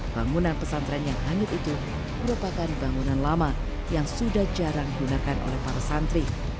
bangunan pesantren yang hanyut itu merupakan bangunan lama yang sudah jarang digunakan oleh para santri